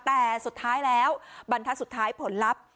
แต่สุดท้ายแล้วบรรทัศน์สุดท้ายผลลัพธ์